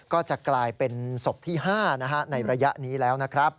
ก็จะกลายเป็นศพที่๕ในระยะนี้แล้วนะครับ